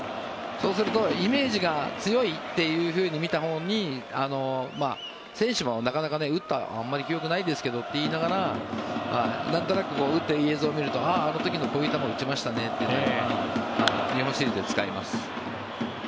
そうするとイメージが強いって見たほうに選手もなかなか打った記憶はあまりないですけどと言いながら映像を見るとあの時にこういう球を打ちましたねって日本シリーズで使います。